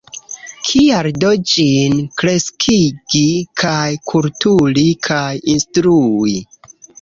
Kial do ĝin kreskigi kaj kulturi kaj instrui?